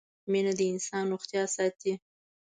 مينه د انسان روغتيا ساتي